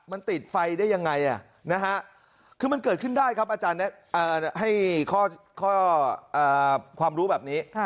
มันติดไฟได้ยังไงคือมันเกิดขึ้นได้ครับอาจารย์ให้ข้อความรู้แบบนี้